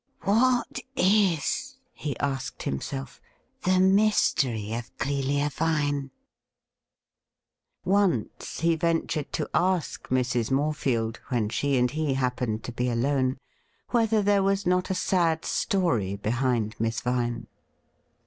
' What is,' he asked himself, ' the mystery of Clelia Vine ? Once he ventiu ed to ask Mrs. Morefield, when she and he happened to be alone, whether there was not a sad story behind Miss Vine.